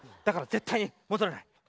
だから絶対に戻らない。